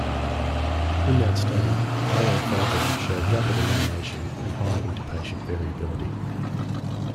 In that study, irofulven showed rapid elimination and high interpatient variability.